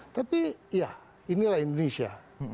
tapi ya inilah indonesia